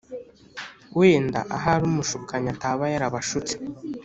wenda ahari umushukanyi ataba yarabashutse